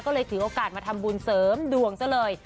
ก็เลยถือโอกาสมาทำบุญเสริมดวงซะเลย